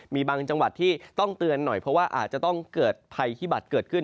มีบางจังหวัดที่ต้องเตือนหน่อยเพราะว่าอาจจะต้องเกิดภัยพิบัตรเกิดขึ้น